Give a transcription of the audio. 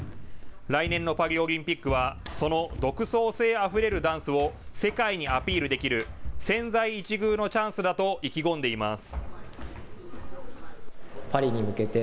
来年のパリオリンピックはその独創性あふれるダンスを世界にアピールできる千載一遇のチャンスだと意気込んでいます。